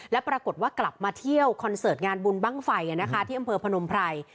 แล้วปรากฏว่ากลับมาเที่ยวคอนเสิร์ตงานบุญบ้างไฟที่อำเภอพนมไพร